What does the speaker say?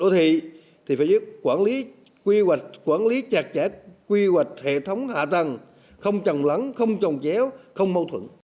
thì phải giữ quy hoạch quản lý chặt chẽ quy hoạch hệ thống hạ tầng không trồng lắng không trồng chéo không mâu thuẫn